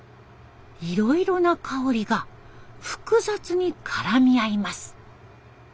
いろいろな香りが複雑にからみ合います。